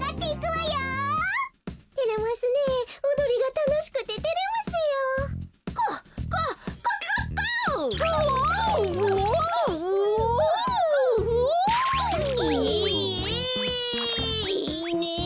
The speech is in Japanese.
いいね！